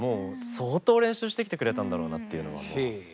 相当練習してきてくれたんだろうなっていうのははい。